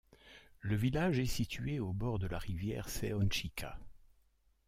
Le village est situé au bord de la rivière Seončica.